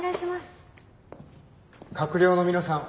閣僚の皆さん